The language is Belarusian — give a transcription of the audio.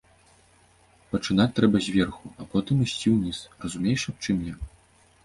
Пачынаць трэба зверху, а потым ісці ўніз, разумееш, аб чым я?